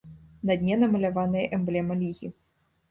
На дне намаляваная эмблема лігі.